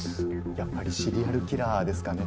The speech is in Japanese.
やっぱりシリアルキラーですかね。